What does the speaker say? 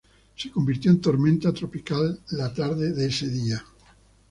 Se convirtió en tormenta tropical la tarde de ese día.